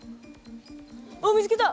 あっ見つけた！